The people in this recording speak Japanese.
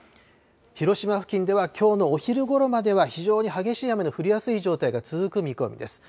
広島付近ではきょうのお昼ごろまでは非常に激しい雨の降りやすい状態が続く見込みです。